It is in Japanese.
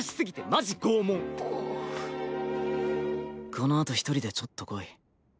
このあと一人でちょっと来い。